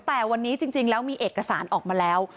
แต่วันนี้จริงแล้วมีเอกสารออกมาแล้ว